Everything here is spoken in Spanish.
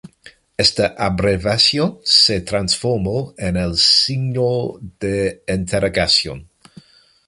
Esta abreviación se transformó en el signo de interrogación.